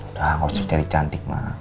udah gak usah jadi cantik ma